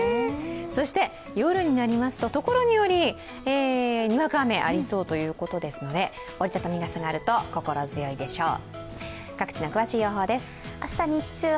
そして夜になりますと、ところによりにわか雨がありそうということですので折り畳み傘があると心強いでしょう。